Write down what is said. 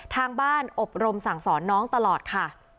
ทางบ้านอบรมสั่งสอนน้องตลอดค่ะ